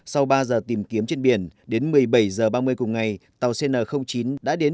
sau ba giờ tìm kiếm trên biển đến một mươi bảy h ba mươi cùng ngày tàu cn chín đã đến